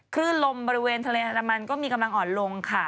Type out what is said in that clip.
ขึ้นลมบริเวณทะเลอันดามันก็มีกำลังอ่อนลงค่ะ